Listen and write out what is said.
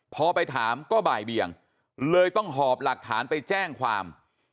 พอไปถามก็บ่ายเบียงเลยต้องหอบหลักฐานไปแจ้งความ